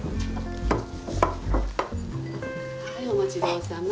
はいお待ちどおさま。